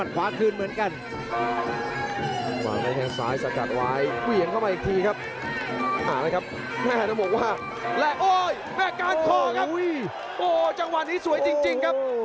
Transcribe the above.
ช้อนขึ้นมาไม่ไหวเลยครับวินเกมเลยครับ